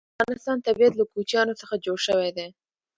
د افغانستان طبیعت له کوچیانو څخه جوړ شوی دی.